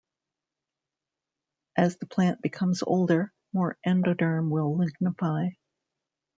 As the plant becomes older, more endoderm will lignify.